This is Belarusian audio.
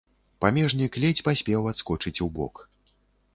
Памежнік ледзь паспеў адскочыць убок.